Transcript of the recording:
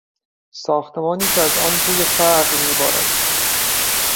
ساختمانی که از آن بوی فقر میبارد